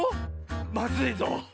まずいぞ。